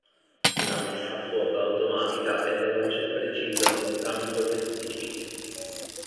La messa a fuoco automatica è veloce e precisa su entrambi gli obiettivi.